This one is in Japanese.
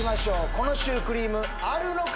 このシュークリームあるのか？